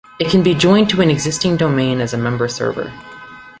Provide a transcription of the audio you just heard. It can be joined to an existing domain as a member server.